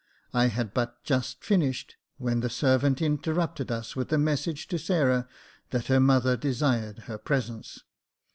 I had but just finished, when the servant inter rupted us with a message to Sarah, that her mother desired her presence.